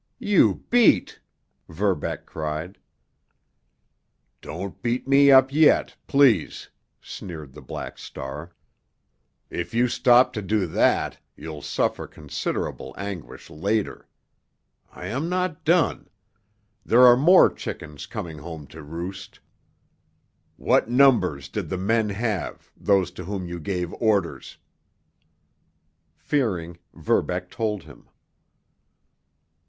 "You beat!" Verbeck cried. "Don't beat me up yet—please," sneered the Black Star. "If you stop to do that you'll suffer considerable anguish later. I am not done—there are more chickens coming home to roost. What numbers did the men have, those to whom you gave orders?" Fearing, Verbeck told him.